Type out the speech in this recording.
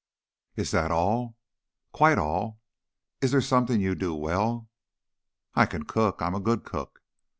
"Is that all?" "Quite all. Is there something you do well?" "I can cook. I'm a good cook.